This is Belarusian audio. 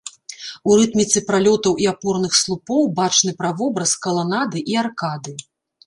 У рытміцы пралётаў і апорных слупоў бачны правобраз каланады і аркады.